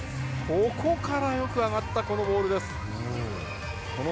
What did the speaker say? ここからよく上がったこのボールです。